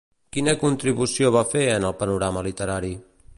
Quina contribució va fer en el panorama literari?